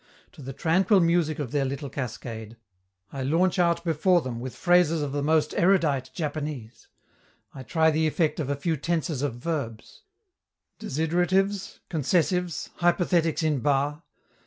To the tranquil music of their little cascade, I launch out before them with phrases of the most erudite Japanese, I try the effect of a few tenses of verbs: 'desideratives, concessives, hypothetics in ba'.